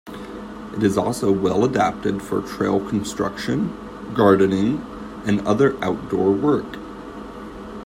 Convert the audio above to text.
It is also well adapted for trail construction, gardening, and other outdoor work.